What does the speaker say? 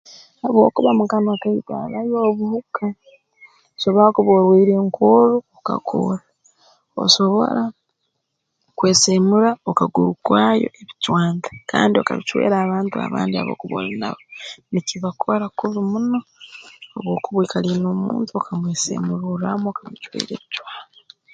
Habwokuba mu kanwa kaitu habayo obuhuka osobora kuba orwaire enkorro okakorra osobora kweseemura okagurukwayo ebicwanta kandi okabicwera abantu abandi ab'okuba oli nabo nikibakora kubi muno obu okuba oikaliire n'omuntu okamweseemururraamu okamucwera ebicwanta